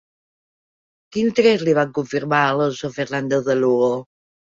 Quins drets li van confirmar a Alonso Fernández de Lugo?